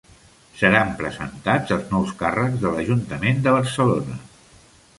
Seran presentats els nous càrrecs de l'Ajuntament de Barcelona